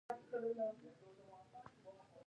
خلک زړور دي خو اتفاق نه لري.